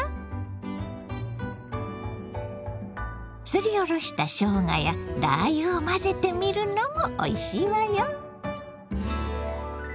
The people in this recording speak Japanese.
すりおろしたしょうがやラー油を混ぜてみるのもおいしいわよ。